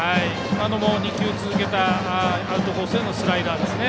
今のも２球続けたアウトコースへのスライダーですね。